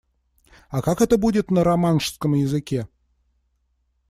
А как это будет на романшском языке?